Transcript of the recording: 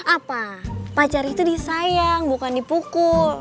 apa pacar itu disayang bukan dipukul